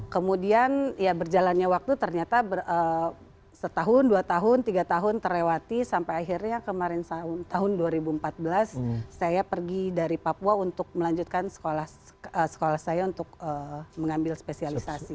kemudian ya berjalannya waktu ternyata setahun dua tahun tiga tahun terlewati sampai akhirnya kemarin tahun dua ribu empat belas saya pergi dari papua untuk melanjutkan sekolah saya untuk mengambil spesialisasi